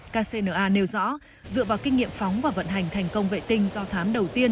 kcna nêu rõ dựa vào kinh nghiệm phóng và vận hành thành công vệ tinh do thám đầu tiên